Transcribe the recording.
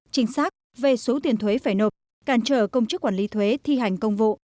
chính xác về số tiền thuế phải nộp cản trở công chức quản lý thuế thi hành công vụ